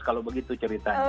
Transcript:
kalau begitu ceritanya